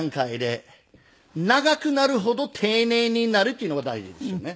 長くなるほど丁寧になるっていうのが大事ですよね。